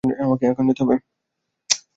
আমাকে এখন যেতে হবে!